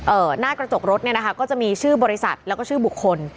หน้ากระจกรถเนี่ยนะคะก็จะมีชื่อบริษัทแล้วก็ชื่อบุคคล